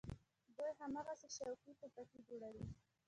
دوى هماغسې شوقي ټوپکې جوړوي.